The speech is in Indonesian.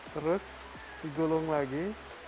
terus digulung lagi